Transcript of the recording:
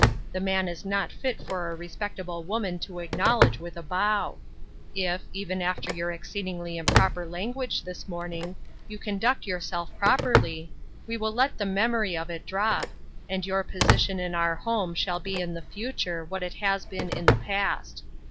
The man is not fit for a respectable woman to acknowledge with a bow. If, even after your exceedingly improper language this morning, you conduct yourself prop erty, we will let the memory of it drop, and your position in our home shall be in the future what it 2IO A PLAIN UNDERSTANDING. has been in the past.